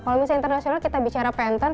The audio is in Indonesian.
kalau misalnya internasional kita bicara panton